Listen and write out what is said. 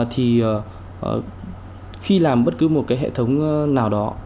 thì khi làm bất cứ một cái hệ thống nào đó